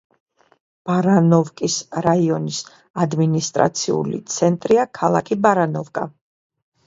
ბარანოვკის რაიონის ადმინისტრაციული ცენტრია ქალაქი ბარანოვკა.